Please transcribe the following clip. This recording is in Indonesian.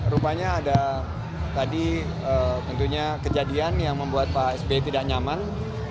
rupanya ada tadi tentunya kejadian yang membuat pak sby tidak nyaman